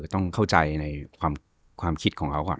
ต้องเข้าใจในความคิดของเขาก่อน